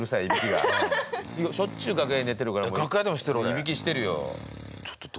いびきしてるよ。